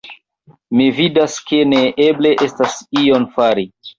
Mi vidas, ke neeble estas ion fari!